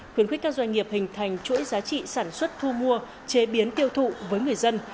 khuyến khích các doanh nghiệp hình thành chuỗi giá trị sản xuất thu mua chế biến tiêu thụ với người dân